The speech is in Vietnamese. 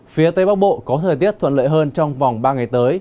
phía tây bắc bộ có thời tiết thuận lợi hơn trong vòng ba ngày tới